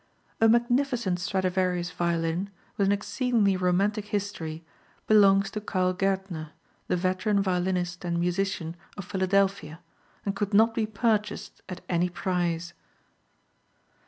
A magnificent Stradivarius violin, with an exceedingly romantic history, belongs to Carl Gaertner, the veteran violinist and musician of Philadelphia, and could not be purchased at any price.